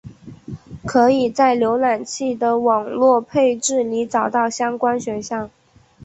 可以在浏览器的网络配置里找到相关选项。